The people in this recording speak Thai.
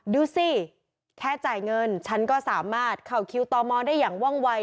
ดูสิแค่จ่ายเงินฉันก็สามารถเข้าคิวต่อมอได้อย่างว่องวัย